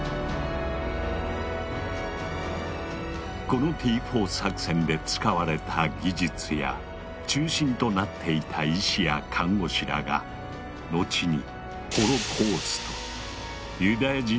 このＴ４作戦で使われた技術や中心となっていた医師や看護師らが後にホロコーストユダヤ人